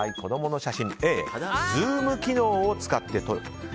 Ａ、ズーム機能を使って撮る。